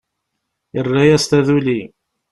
Irra-yas taduli.